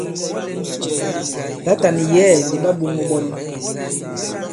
Tǎtà nì yɛ̌ɛ̀ ndi ɓa ɓōŋō ɓɔn.